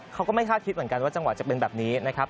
เขาก็ไม่คาดคิดเหมือนกันว่าจังหวะจะเป็นแบบนี้นะครับ